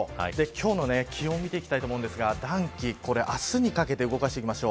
今日の気温を見ていきたいと思うんですが暖気、これ明日にかけて動かしていきます。